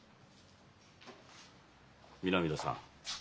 南田さん。